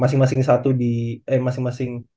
masing masing satu di ee masing masing